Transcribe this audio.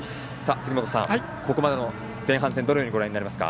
杉本さん、ここまでの前半戦どのようにご覧になりますか？